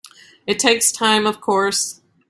It takes time of course.